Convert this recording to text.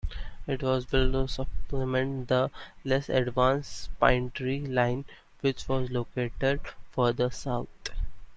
It was built to supplement the less-advanced Pinetree Line, which was located further south.